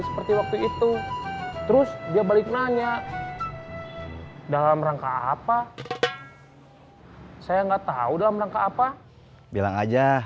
seperti waktu itu terus dia balik nanya dalam rangka apa hai saya enggak tahu dalam rangka apa bilang aja